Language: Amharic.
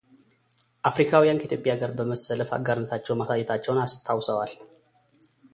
አፍሪካዊያን ከኢትዮጵያ ጋር በመሰለፍ አጋርነታቸውን ማሳየታቸውን አስታውሰዋል።